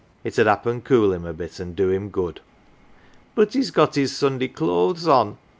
It \id happen cool him a bit an" do hiip good. " But he's got his Sunday clothes on